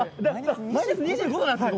マイナス２５度なんですか？